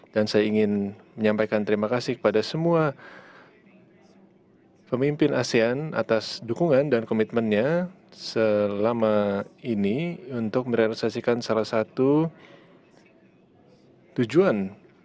dan saya ingin menyampaikan terima kasih kepada semua pemimpin asean atas dukungan dan komitmennya selama ini untuk merenalisasikan salah satu tujuan